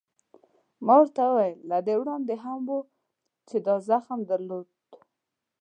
ما ورته وویل: له دې وړاندې هم و، چې دا زخم در درلود؟